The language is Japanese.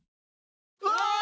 うわ！